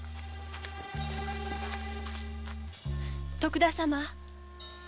・徳田様！